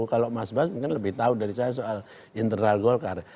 kalau mas bas mungkin lebih tahu dari saya soal internal golkar